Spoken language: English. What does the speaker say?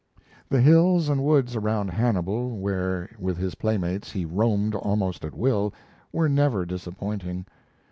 The hills and woods around Hannibal where, with his playmates, he roamed almost at will were never disappointing.